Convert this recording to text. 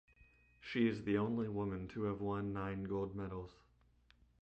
She is the only woman to have won nine gold medals.